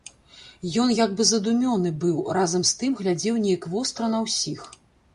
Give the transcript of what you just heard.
Ён як бы задумёны быў, разам з тым глядзеў нейк востра на ўсіх.